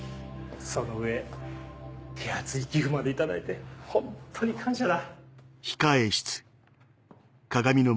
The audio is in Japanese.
その上手厚い寄付まで頂いてホントに感謝だ。